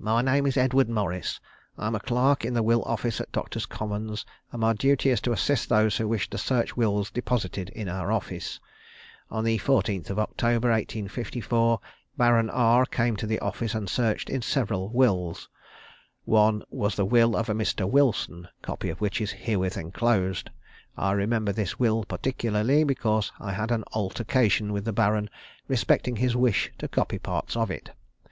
_ "My name is Edward Morris. I am a clerk in the Will Office at Doctors' Commons, and my duty is to assist those who wish to search wills deposited in our office. On the 14th October, 1854, Baron R came to the office and searched in several wills. One was the will of a Mr. Wilson, copy of which is herewith enclosed. I remember this will particularly, because I had an altercation with the Baron respecting his wish to copy parts of it.